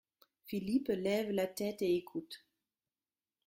Philippe lève la tête et écoute.